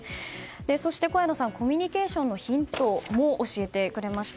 そして小谷野さんはコミュニケーションのヒントも教えてくれました。